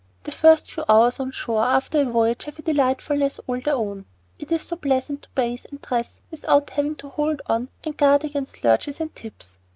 The first few hours on shore after a voyage have a delightfulness all their own. It is so pleasant to bathe and dress without having to hold on and guard against lurches and tips.